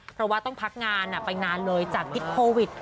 เพราะว่าต้องพักงานไปนานเลยจากพิษโควิด